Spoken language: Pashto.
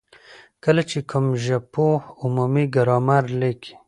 کله چي کوم ژبپوه عمومي ګرامر ليکي،